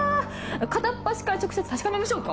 片っ端から直接確かめましょうか？